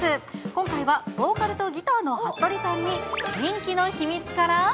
今回はボーカルとギターのはっとりさんに、人気の秘密から。